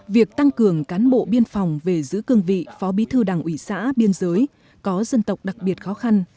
việc tăng cường cán bộ biên phòng về giữ cương vị phó bí thư đảng ủy xã biên giới có dân tộc đặc biệt khó khăn